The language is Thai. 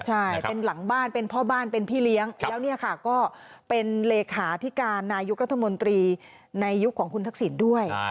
ใช่เป็นหลังบ้านเป็นพ่อบ้านเป็นพี่เลี้ยงแล้วเนี่ยค่ะก็เป็นเลขาธิการนายกรัฐมนตรีในยุคของคุณทักษิณด้วย